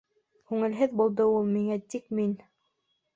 Күңелһеҙ булды ул миңә, тик мин: